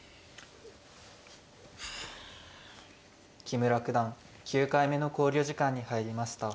木村九段９回目の考慮時間に入りました。